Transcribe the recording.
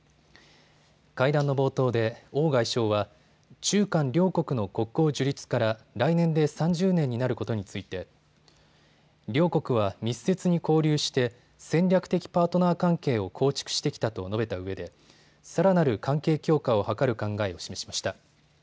会談の冒頭で王外相は中韓両国の国交樹立から来年で３０年になることについて両国は密接に交流して戦略的パートナー関係を構築してきたと述べたうえでさらなる関係強化を図る考えを示しました。